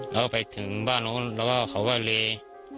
แล้วไปถึงบ้านนู้นแล้วก็เขาก็เลย